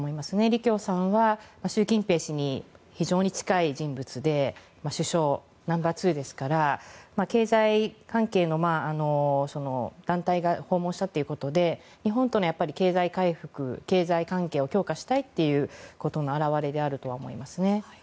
李強さんは習近平氏に非常に近い人物で首相、ナンバー２ですから経済関係の団体が訪問したということで日本との経済回復経済関係を強化したいという表れだと思います。